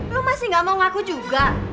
lu masih gak mau ngaku juga